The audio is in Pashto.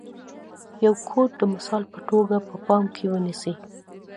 یو کوټ د مثال په توګه په پام کې ونیسئ.